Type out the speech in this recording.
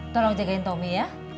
tolong jagain tommy ya